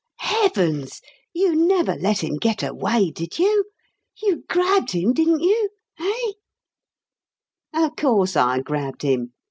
"Heavens! you never let him get away, did you? You grabbed him, didn't you eh?" "Of course I grabbed him.